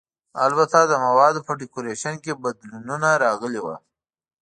البته د موادو په ډیکورېشن کې بدلونونه راغلي ول.